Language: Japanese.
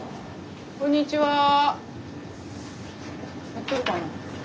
やってるかな。